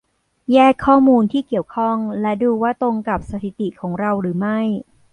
แยกข้อมูลที่เกี่ยวข้องและดูว่าตรงกับสถิติของเราหรือไม่